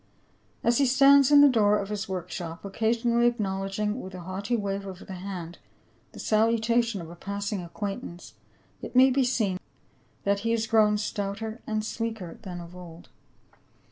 As he stands in the door of his work shop, occasionally acknowledging with a haughty wave of the hand the salutation of a passing acquaintance, it may be seen that he has grown stouter and sleeker than of old.